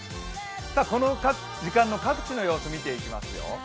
この時間の各地の様子を見ていきますよ。